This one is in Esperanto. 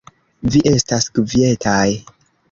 Vi estas kvietaj.